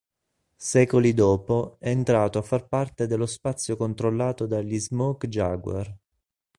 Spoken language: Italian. Secoli dopo, è entrato a far parte dello spazio controllato dagli Smoke Jaguar.